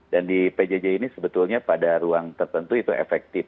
dan di pjj ini sebetulnya pada ruang tertentu itu efektif